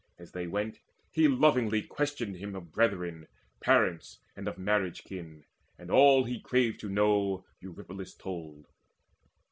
As they went, he lovingly questioned him Of brethren, parents, and of marriage kin; And all he craved to know Eurypylus told.